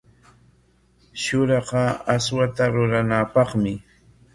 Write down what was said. Shuraqa aswata ruranapaqmi.